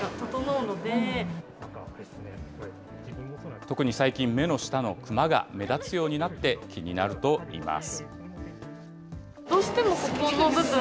特に最近、目の下のクマが目立つようになって気になるといいます。